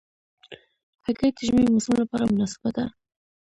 هګۍ د ژمي موسم لپاره مناسبه ده.